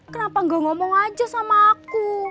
kenapa gak ngomong aja sama aku